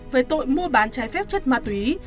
về tội mua bán trái phép chất ma túy